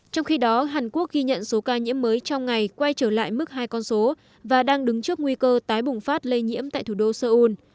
trong khi đó hàn quốc ghi nhận số ca nhiễm mới trong ngày quay trở lại mức hai con số và đang đứng trước nguy cơ tái bùng phát lây nhiễm tại thủ đô seoul